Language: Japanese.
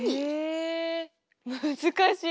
え難しい。